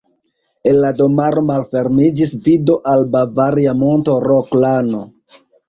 El la domaro malfermiĝas vido al bavaria monto Roklano.